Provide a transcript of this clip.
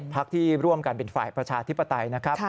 พักที่ร่วมกันเป็นฝ่ายประชาธิปไตยนะครับ